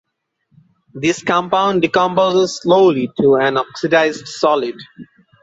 This compound decomposes slowly to an oxidized solid.